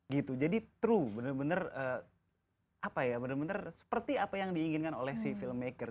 gitu jadi true benar benar seperti apa yang diinginkan oleh si filmmaker